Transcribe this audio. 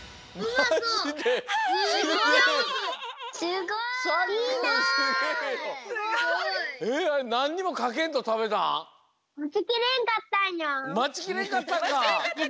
まちきれんかったんか！